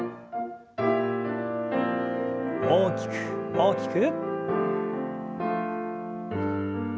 大きく大きく。